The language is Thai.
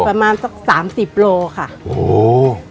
ประมาณกี่กิโลใช่ค่ะ